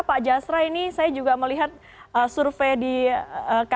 pak jasra ini saya juga melihat survei di kpk